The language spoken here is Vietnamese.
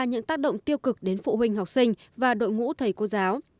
những tác động tiêu cực đến phụ huynh học sinh và đội ngũ thầy cô giáo